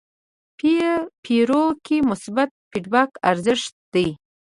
فیور کې مثبت فیډبک ارزښتمن دی.